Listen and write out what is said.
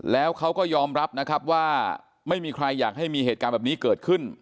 แล้วเขาก็ยอมรับนะครับว่าไม่มีใครอยากให้มีเหตุการณ์แบบนี้เกิดขึ้น